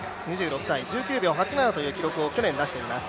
１９秒８７というタイムを去年、出しています。